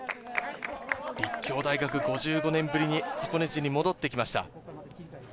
立教大学、５５年ぶりに箱根路に戻ってきました。